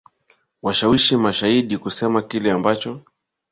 washawishi mashahidi kusema kile ambacho